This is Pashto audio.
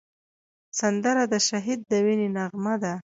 سندره د شهید د وینې نغمه ده